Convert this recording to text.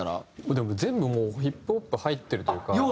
でも全部もうＨＩＰＨＯＰ入ってるというか。